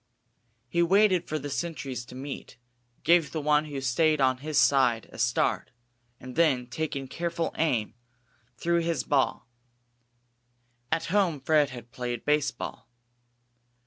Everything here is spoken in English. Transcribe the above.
He waited for the sentries to meet; gave the one who stayed on his side a start, and then, taking careful aim, threw his ball. At home Fred had played baseball.